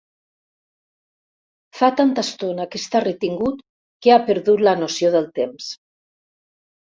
Fa tanta estona que està retingut que ha perdut la noció del temps.